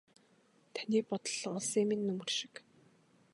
Таны бодол уулсын минь нөмөр шиг.